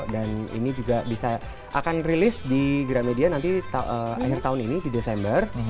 dan ini juga bisa akan rilis di gramedia nanti akhir tahun ini di desember